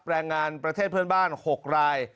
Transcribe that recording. แรงงานประเทศเพื่อนบ้าน๖ราย